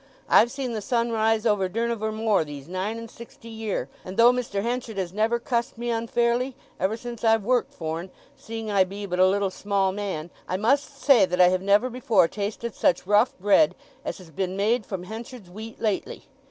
I've seen the sun rise over Durnover Moor these nine and sixty year, and though Mr. Henchard has never cussed me unfairly ever since I've worked for'n, seeing I be but a little small man, I must say that I have never before tasted such rough bread as has been made from Henchard's wheat lately.